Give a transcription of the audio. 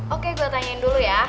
oke gue tanyain dulu ya